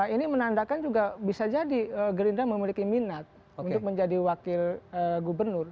ini menandakan juga bisa jadi gerindra memiliki minat untuk menjadi wakil gubernur